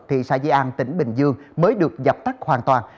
thị xã di an tỉnh bình dương mới được dập tắt hoàn toàn